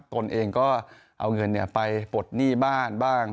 ตนเองก็เอาเงินไปปลดหนี้บ้านบ้าง